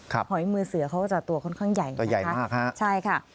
ครับหอยมือเสือเขาก็จะตัวค่อนข้างใหญ่นะคะใช่ค่ะตัวใหญ่มาก